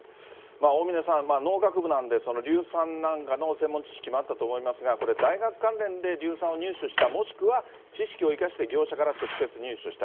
大峯さん、農学部なんで、硫酸なんかの専門知識もあったと思いますが、これ、大学関連で硫酸を入手した、もしくは知識を生かして、業者から直接入手した。